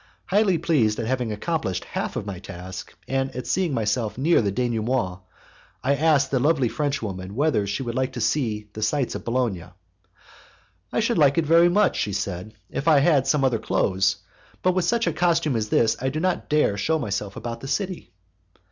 Highly pleased at having accomplished half of my task, and at seeing myself near the denouement, I asked the lovely Frenchwoman whether she would like to see the sights of Bologna. "I should like it very much," she said, "if I had some other clothes; but with such a costume as this I do not care to shew myself about the city."